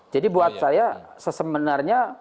jadi buat saya sesembenarnya